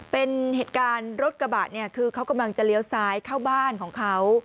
เป็นเหตุการณ์รถกระบะเนี่ยคือเขากำลังจะเลี้ยวซ้ายเข้าบ้านของเขา